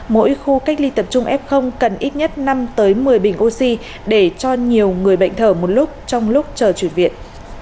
mỗi khu cách ly tập trung f cần ít nhất năm một mươi bình oxy để cho nhiều người bệnh thở một lúc trong lúc chờ chuyển viện